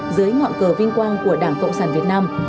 dưới ngọn cờ vinh quang của đảng cộng sản việt nam